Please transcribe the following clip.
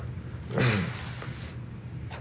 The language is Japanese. うん。